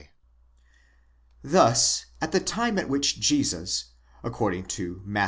Thus at the time at which Jesus, according to Matt.